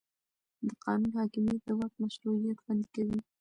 د قانون حاکمیت د واک مشروعیت خوندي کوي